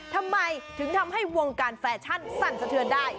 ทำไมถึงทำให้วงการแฟชั่นสั่นสะเทือนได้